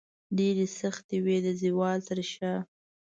ډیرې سختې وې د زوال تر شاه